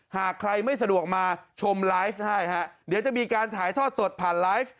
หากใครไม่สะดวกมาชมไลฟ์ให้ฮะเดี๋ยวจะมีการถ่ายทอดสดผ่านไลฟ์